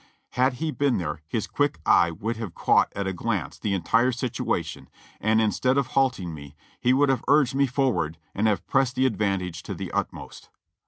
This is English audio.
Had he been there, his quick eye would have caught at a glance the entire situation, and instead of halting me, he would have urged me forward and have pressed the advantage to the utmost.